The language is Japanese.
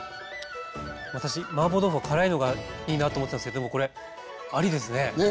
私マーボー豆腐は辛いのがいいなと思ってたんですけどでもこれありですね！ね。